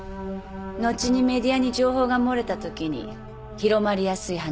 後にメディアに情報が漏れたときに広まりやすい話ね